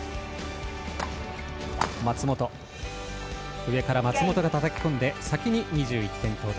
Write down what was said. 上から松本がたたき込んで先に２１点到達。